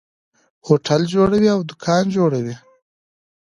هوټل جوړوي او دکان جوړوي.